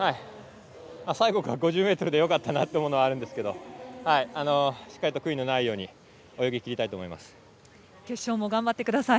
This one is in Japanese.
最後が５０ｍでよかったなというのはあるんですけどしっかりと悔いのないように決勝も頑張ってください。